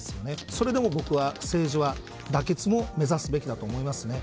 それでも僕は、政治は妥結も目指すべきだと思いますね。